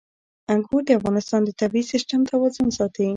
انګور د افغانستان د طبعي سیسټم توازن ساتي.